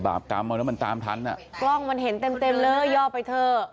บาปกรรมหม่อนึงมันตามทันอะกล้องมันเห็นเต็มเต็มเลอะย่อไปเถอะ